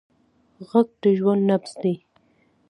غږ د ژوند نبض دی